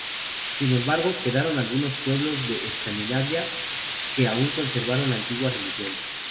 Sin embargo, quedaron algunos pueblos de Escandinavia que aún conservaron la antigua religión.